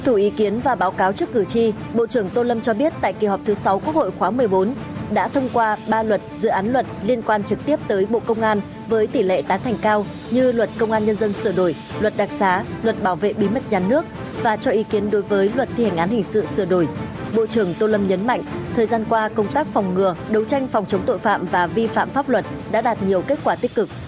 thời gian qua công tác phòng ngừa đấu tranh phòng chống tội phạm và vi phạm pháp luật đã đạt nhiều kết quả tích cực